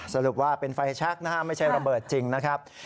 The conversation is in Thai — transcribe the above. สรุปว่าเป็นไฟแชคนะฮะไม่ใช่ระเบิดจริงนะครับ